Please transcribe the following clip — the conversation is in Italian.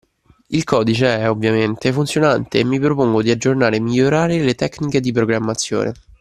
Il codice è, ovviamente, funzionante e mi propongo di aggiornare e migliorare le tecniche di programmazione.